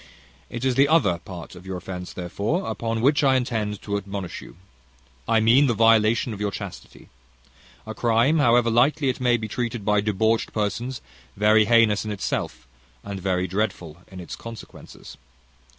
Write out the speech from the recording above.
It is the other part of your offence, therefore, upon which I intend to admonish you, I mean the violation of your chastity; a crime, however lightly it may be treated by debauched persons, very heinous in itself, and very dreadful in its consequences.